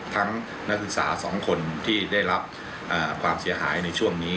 นักศึกษา๒คนที่ได้รับความเสียหายในช่วงนี้